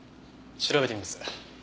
調べてみます。